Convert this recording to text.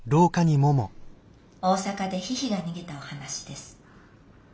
「大阪でヒヒが逃げたお話です。